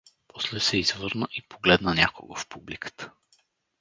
После се извърна и погледна някого в публиката.